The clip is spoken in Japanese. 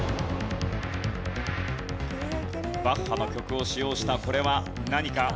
バッハの曲を使用したこれは何か。